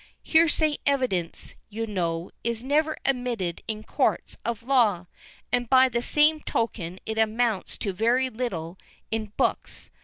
Hearsay evidence, you know, is never admitted in courts of law, and by the same token it amounts to very little in books.